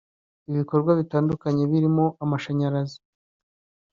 ibikorwa bitandukanye birimo amashanyarazi